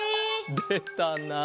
でたな。